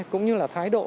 cũng như là thái độ